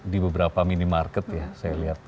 di beberapa minimarket ya saya lihat